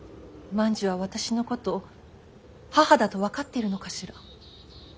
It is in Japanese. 万寿は私のこと母だと分かっているのかしら。